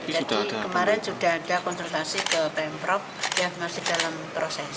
jadi kemarin sudah ada konsultasi ke pemprov yang masih dalam proses